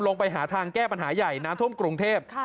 ลงไปหาทางแก้ปัญหาใหญ่น้ำท่วมกรุงเทพ